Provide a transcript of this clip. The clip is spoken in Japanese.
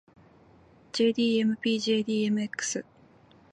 jdmpjdmx